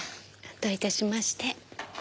どういたしまして。